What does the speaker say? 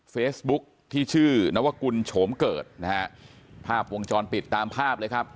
เฟซบุ๊คที่ชื่อนวกุลโฉมเกิดนะฮะภาพวงจรปิดตามภาพเลยครับ